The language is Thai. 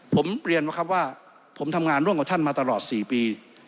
ผมเรียนว่าครับว่าผมทำงานร่วมกับท่านมาตลอด๔ปี